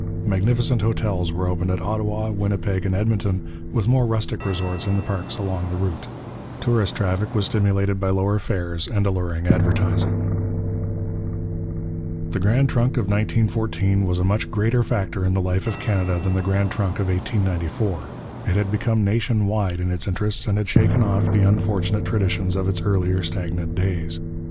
Magnificent hotels were opened at Ottawa, Winnipeg, and Edmonton, with more rustic resorts in the parks along the route. Tourist traffic was stimulated by lowered fares and alluring advertising. [Illustration: Grand Trunk System, 1914] The Grand Trunk of 1914 was a much greater factor in the life of Canada than the Grand Trunk of 1894; it had become nation wide in its interests, and had shaken off the unfortunate traditions of its earlier stagnant days.